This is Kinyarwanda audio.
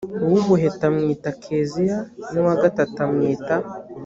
uw ubuheta amwita keziya n uwa gatatu amwita